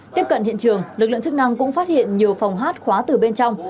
tiếp cận hiện trường lực lượng chức năng cũng phát hiện nhiều phòng hát khóa từ bên trong